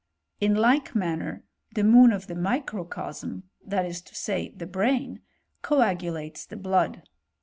In like manner the moon of the microcosm, that is to say the brain, coagulates the blood.